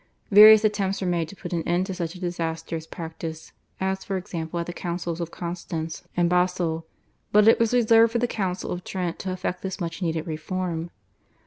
Various attempts were made to put an end to such a disastrous practice, as for example at the Councils of Constance and Basle, but it was reserved for the Council of Trent to effect this much needed reform.